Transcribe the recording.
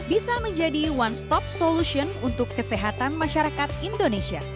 bisa menjadi one stop solution untuk kesehatan masyarakat indonesia